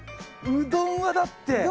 うどんはだって。